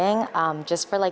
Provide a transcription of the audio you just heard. hanya untuk seperti